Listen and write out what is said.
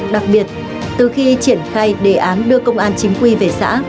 đặc biệt từ khi triển khai đề án đưa công an chính quy về xã